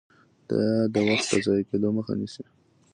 دا د وخت د ضایع کیدو مخه نیسي.